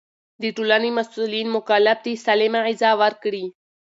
د ټولنې مسؤلين مکلف دي سالمه غذا ورکړي.